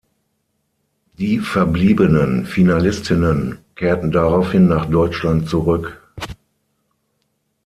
Die verbliebenen Finalistinnen kehrten daraufhin nach Deutschland zurück.